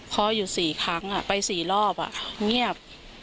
ค้ออยู่สี่ครั้งอ่ะไปสี่รอบอ่ะเงียบ